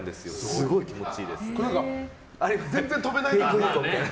すごい気持ちいいです。